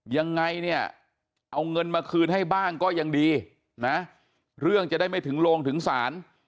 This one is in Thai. ยังไงเนี่ยเอาเงินมาคืนให้บ้างก็ยังดีนะเรื่องจะได้ไม่ถึงโรงถึงศาล